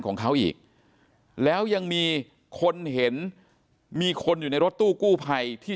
ของเขาอีกแล้วยังมีคนเห็นมีคนอยู่ในรถตู้กู้ภัยที่